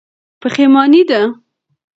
پښېماني ده.